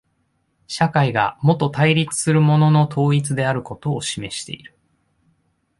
社会がもと対立するものの統一であることを示している。